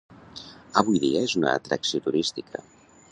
Avui dia és una atracció turística.